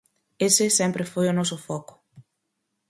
Ese sempre foi o noso foco.